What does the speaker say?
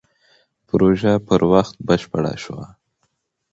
پروژه پر وخت بشپړه شوه.